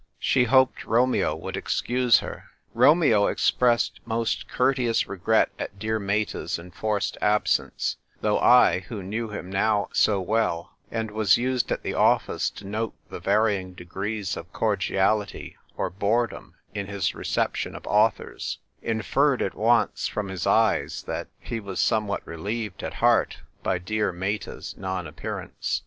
She hoped Romeo would excuse her. Romeo expressed most courteous regret at dear Meta's enforced absence; though 1, who knew him now so well, and was used at the office to note the varying degrees of cordiality or boredom in his reception of authors, inferred at once from his eyes that he was somewhat relieved at heart by dear Meta's non appearance.